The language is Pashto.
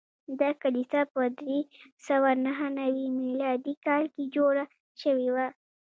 دا کلیسا په درې سوه نهه نوي میلادي کال کې جوړه شوې وه.